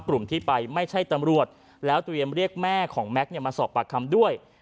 กลุ่มที่ไปไม่ใช่ตำรวจแล้วเตรียมเรียกแม่ของแม็กซ์มาสอบปากคำด้วย